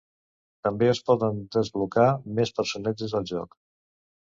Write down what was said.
També es poden desblocar més personatges al joc.